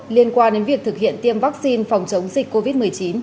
liên quan đến việc thực hiện tiêm vaccine phòng chống dịch covid một mươi chín